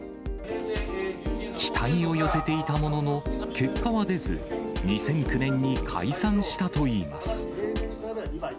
期待を寄せていたものの、結果は出ず、２００９年に解散したといいます。